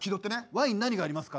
「ワイン何がありますか？」。